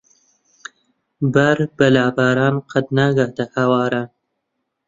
بار بە لاباران قەت ناگاتە ھەواران.